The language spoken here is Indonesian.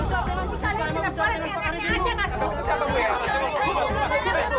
jika ini tidak boleh saya akan menangis